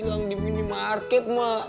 ilang di minimarket mak